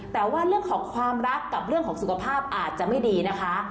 แต่ว่าเรื่องของความรักกับเรื่องของสุขภาพอาจจะไม่ดีนะคะ